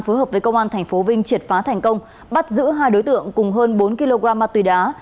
phối hợp với công an tp vinh triệt phá thành công bắt giữ hai đối tượng cùng hơn bốn kg ma túy đá